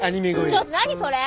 ちょっと何それ！